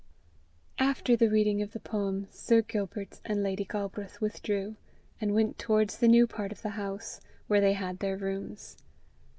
After the reading of the poem, Sir Gilbert and Lady Galbraith withdrew, and went towards the new part of the house, where they had their rooms.